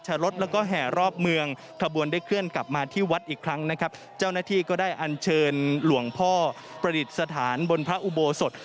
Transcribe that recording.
เจ้าหน้าที่ก็ได้อัญเชิญหลวงพ่อประดิษฐานบนพระอุโบสถ